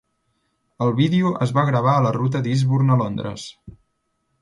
El vídeo es va gravar a la ruta d'Eastbourne a Londres.